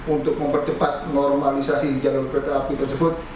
untuk mempercepat normalisasi jalur kereta api tersebut